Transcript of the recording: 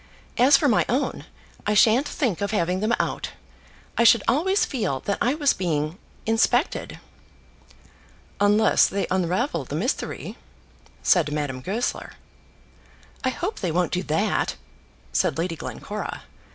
"As for my own, I sha'n't think of having them out. I should always feel that I was being inspected." "Unless they unravel the mystery," said Madame Goesler. "I hope they won't do that," said Lady Glencora.